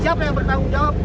siapa yang bertanggung jawab